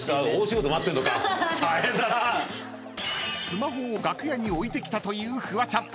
［スマホを楽屋に置いてきたというフワちゃん］